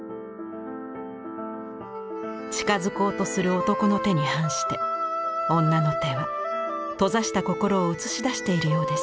近づこうとする男の手に反して女の手は閉ざした心を映し出しているようです。